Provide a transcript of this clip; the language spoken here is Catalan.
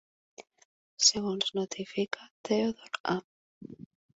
Segons notifica Theodore A.